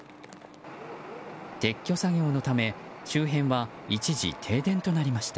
撤去作業のため周辺は一時停電となりました。